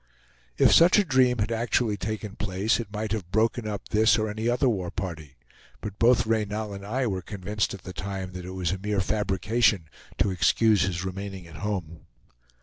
If such a dream had actually taken place it might have broken up this or any other war party, but both Reynal and I were convinced at the time that it was a mere fabrication to excuse his remaining at home.